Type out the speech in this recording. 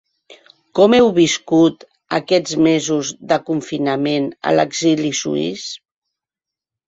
Com heu viscut aquests mesos de confinament a l’exili suís?